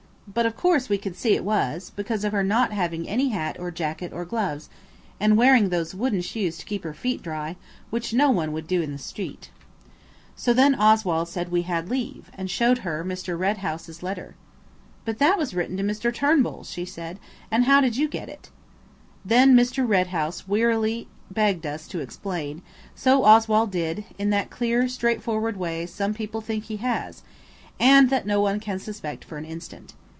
But, of course, we could see it was, because of her not having any hat or jacket or gloves, and wearing those wooden shoes to keep her feet dry, which no one would do in the street. So then Oswald said we had leave, and showed her Mr. Red House's letter. "But that was written to Mr. Turnbull," said she, "and how did you get it?" Then Mr. Red House wearily begged us to explain, so Oswald did, in that clear, straightforward way some people think he has, and that no one can suspect for an instant.